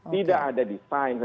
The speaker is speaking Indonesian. tidak ada desain